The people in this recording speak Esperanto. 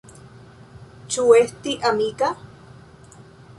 Ĉu esti amika?